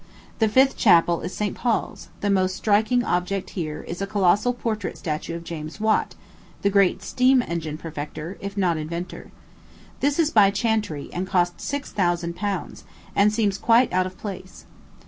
The fifth chapel is St. Paul's. The most striking object here is a colossal portrait statue of James Watt, the great steam engine perfecter, if not inventor. This is by Chantrey, and cost six thousand pounds, and seems quite out of place.